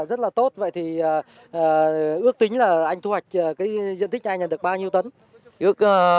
à cây ngô